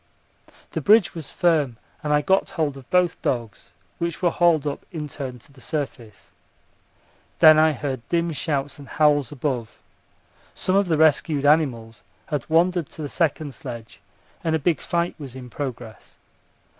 The bridge was firm and I got hold of both dogs, which were hauled up in turn to the surface. Then I heard dim shouts and howls above. Some of the rescued animals had wandered to the second sledge, and a big fight was in progress.